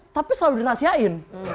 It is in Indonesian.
tapi selalu dinasihain